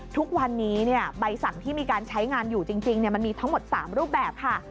ทุกวันนี้ใบสั่งที่มีการใช้งานอยู่จริงมันมีทั้งหมด๓รูปแบบค่ะ